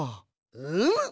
うむ。